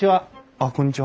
あっこんにちは。